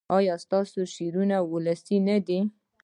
ایا ستاسو شعرونه ولسي نه دي؟